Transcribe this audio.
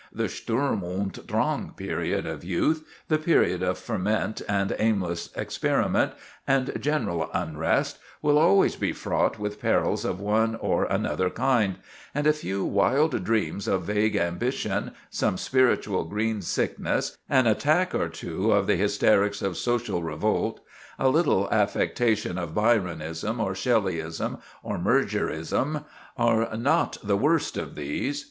The Sturm und Drang period of youth, the period of ferment, and aimless experiment, and general unrest, will always be fraught with perils of one or another kind; and a few wild dreams of vague ambition, some spiritual green sickness, an attack or two of the hysterics of social revolt, a little affectation of Byronism, or Shelleyism, or Murgerism, are not the worst of these.